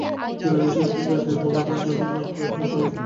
বিজ্ঞানের এই সাফল্যের দিনে ঘুম আনার যন্ত্র বের হয়ে যাওয়া উচিত ছিল।